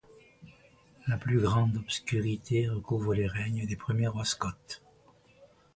La plus grande obscurité recouvre les règnes des premiers rois Scots.